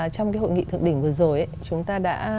trong cái hội nghị thượng đỉnh vừa rồi chúng ta đã